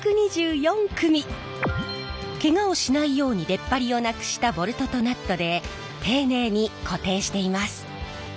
ケガをしないように出っ張りをなくしたボルトとナットで丁寧に固定しています。